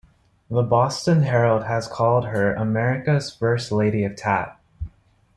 The "Boston Herald" has called her "America's First Lady of Tap.